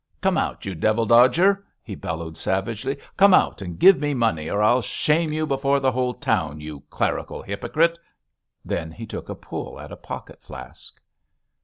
'Come out, you devil dodger!' he bellowed savagely. 'Come out and give me money, or I'll shame you before the whole town, you clerical hypocrite.' Then he took a pull at a pocket flask.